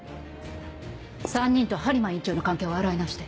３人と播磨院長の関係を洗い直して。